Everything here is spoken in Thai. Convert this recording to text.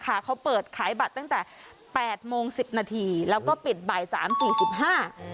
อยู่กับเขาเปิดขายบัตรตั้งแต่๘โมง๑๐นาทีแล้วก็ปิดบ่าย๓๔๕นะคะ